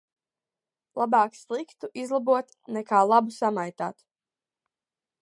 Labāk sliktu izlabot nekā labu samaitāt.